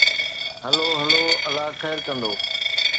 هلو هلون، الله خير ڪندو.